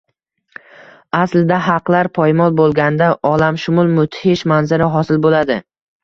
Aslida haqlar poymol bo‘lganda olamshumul mudhish manzara hosil bo‘ladi.